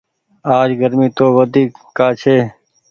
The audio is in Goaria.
آج گرمي تو وڍيڪ ڪآ ڇي۔